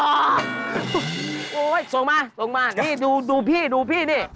โอ๊ยส่งมาลงมานี่ดูพี่นี่